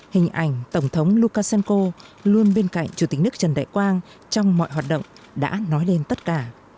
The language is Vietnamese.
hình ảnh tổng thống lukashenko luôn bên cạnh chủ tịch nước trần đại quang trong mọi hoạt động đã nói lên tất cả